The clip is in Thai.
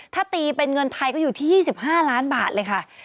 ถ้าตีเป็นเงินไทยก็อยู่ที่๒๕ล้านบาทเลยค่ะ